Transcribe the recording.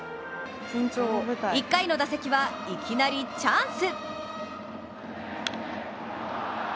１回の打席はいきなりチャンス。